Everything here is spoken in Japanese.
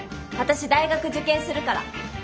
私大学受験するから。